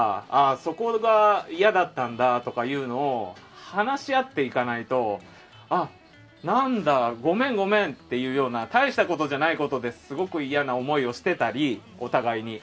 そこが嫌だったんだとかっていうのを話し合っていかないと何だ、ごめんごめんっていうような大したことじゃないことですごく嫌な思いをしてたりお互いに。